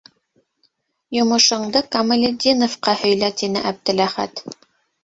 Йомошоңдо Камалетдиновҡа һөйлә, - тине Әптеләхәт.